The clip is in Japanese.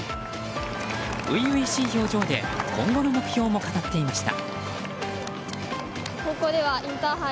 初々しい表情で今後の目標も語っていました。